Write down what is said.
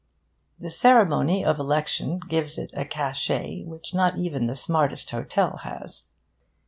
The ceremony of election gives it a cachet which not even the smartest hotel has.